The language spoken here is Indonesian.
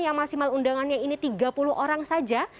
yang maksimal undangannya ini tiga puluh orang saja